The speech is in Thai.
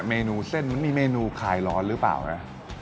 เมนูเส้นมันมีเมนูคลายร้อนหรือเปล่านะ